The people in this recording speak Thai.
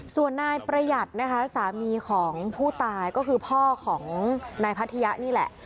ส่วนนายประหยัดนะคะสามีของผู้ตายก็คือพ่อของนายพัทยะนี่แหละ